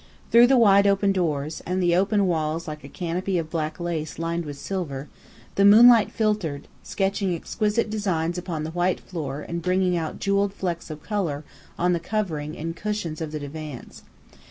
Through the wide open doors, and the openwork walls like a canopy of black lace lined with silver, the moonlight filtered, sketching exquisite designs upon the white floor and bringing out jewelled flecks of colour on the covering and cushions of the divans.